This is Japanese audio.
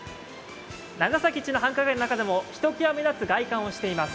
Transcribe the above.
長崎一の繁華街の中でもひと際目立つ造りをしています。